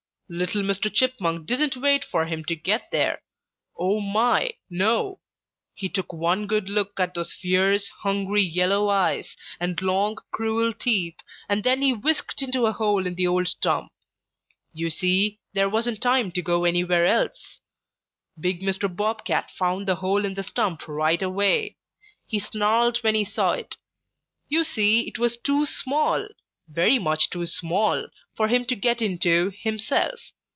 "Little Mr. Chipmunk didn't wait for him to get there. Oh, my, no! He took one good look at those fierce, hungry, yellow eyes and long, cruel teeth, and then he whisked into a hole in the old stump. You see, there wasn't time to go anywhere else. Big Mr. Bob Cat found the hole in the stump right away. He snarled when he saw it. You see it was too small, very much too small, for him to get into himself.